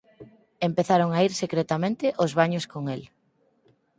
Empezaron a ir secretamente ós baños con el.